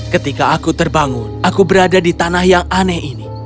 ketika aku terbangun aku berada di tanah yang aneh ini